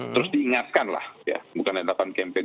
terus diingatkan lah bukan melakukan campaign